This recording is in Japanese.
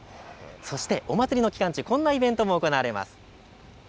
そして祭りの期間中、こんなイベントも行われます。